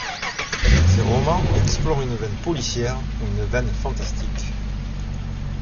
Ces romans explorent une veine policière ou une veine fantastique.